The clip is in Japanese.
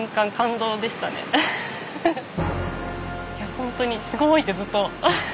本当に「すごい！」ってずっと。